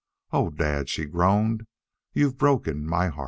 "Oh, dad," she groaned. "You've broken my heart."